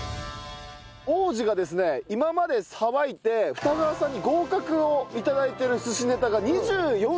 王子がですね今までさばいて二川さんに合格を頂いてる寿司ネタが２４品。